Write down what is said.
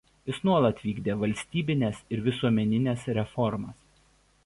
Jis nuolat vykdė valstybines ir visuomenines reformas.